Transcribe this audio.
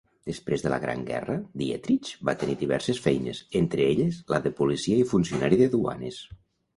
Després de la Gran Guerra, Dietrich va tenir diverses feines, entre elles la de policia i funcionari de duanes.